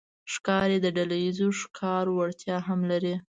ښکاري د ډلهییز ښکار وړتیا هم لري.